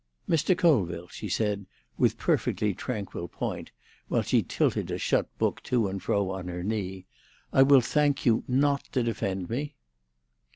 "Mr. Colville," she said, with perfectly tranquil point, while she tilted a shut book to and fro on her knee, "I will thank you not to defend me."